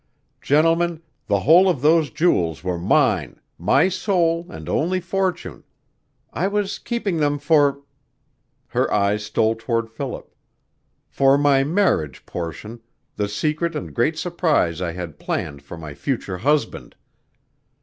Gentlemen, the whole of those jewels were mine my sole and only fortune. I was keeping them for" her eyes stole toward Philip "for my marriage portion, the secret and great surprise I had planned for my future husband.